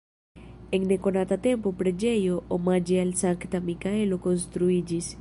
En nekonata tempo preĝejo omaĝe al Sankta Mikaelo konstruiĝis.